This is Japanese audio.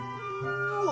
うわ！